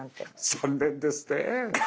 残念ですね。